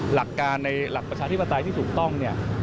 หลักการในหลักประชาธิปไตยที่ถูกต้องเนี่ย